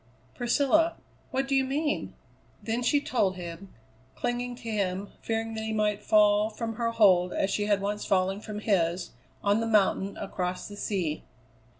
"Priscilla, what do you mean?" Then she told him, clinging to him, fearing that he might fall from her hold as she had once fallen from his, on the mountain across the sea.